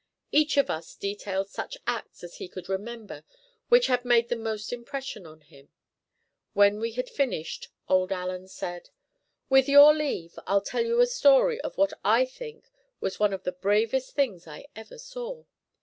Each of us detailed such acts as he could remember which had made the most impression on him. When we had finished, old Allan said: "With your leave I'll tell you a story of what I think was one of the bravest things I ever saw.